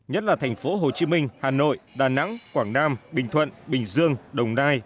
nhất là thành phố hồ chí minh hà nội đà nẵng quảng nam bình thuận bình dương đồng nai